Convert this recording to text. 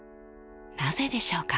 なぜでしょうか？